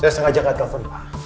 saya sengaja gak telpon pak